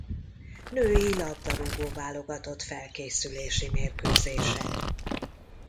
Női labdarúgó-válogatott felkészülési mérkőzése.